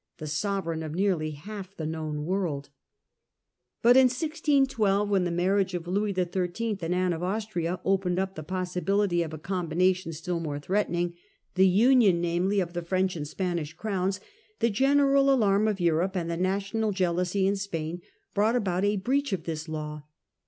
the sovereign of nearly half the known world. But in 1612, when the marriage of Louis XIII. and Anne of Austria opened up the possibility of a c<jmbina 8o Close of the War with Spain, 1659, tion still more threatening, the union namely of the French and Spanish crowns, the general alarm of Europe and the national jealousy in Spain brought about a breach of this law.